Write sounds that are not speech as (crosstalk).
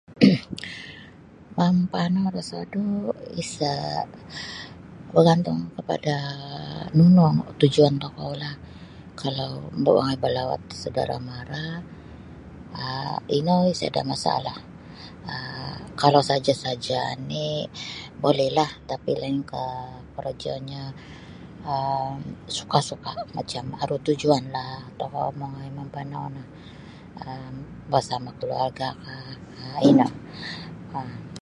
(coughs) Mampanau dosodu' isa' bagantung kapada nunu tujuan tokoulah kalau mongoi balawat da saudara' mara um ino isada' masalah um kalau saja'-saja' oni' bulilah tapi' lainkah korojonyo um suka'-suka' macam aru tujuanlah tokou mongoi mampanau no um barsama' kaluarga'kah um ino um.